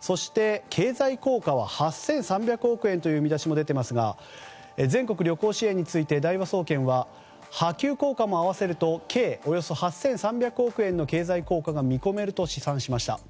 そして、経済効果は８３００億円という見出しも出ていますが全国旅行支援について大和総研は波及効果も合わせると計およそ８３００億円の経済効果が見込めると試算しました。